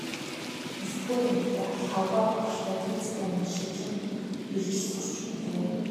Есдүгээр ангидаа Лхагва багштай физикийн ангид шилжин ирж сурч билээ.